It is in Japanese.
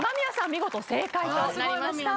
見事正解となりました。